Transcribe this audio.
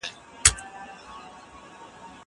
زه اوس تمرين کوم!؟